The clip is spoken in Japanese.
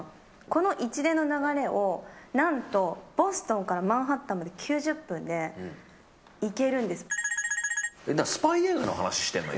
この一連の流れを何とボストンからマンハッタンまで９０分で行けるんです。